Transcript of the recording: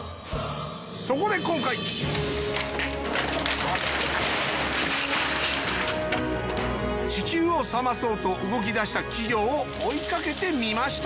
そこで今回地球を冷まそうと動き出した企業を追いかけてみました